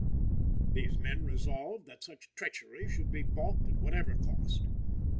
These men resolved that such treachery should be balked at whatever cost.